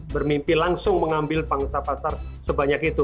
bermimpi langsung mengambil pangsa pasar sebanyak itu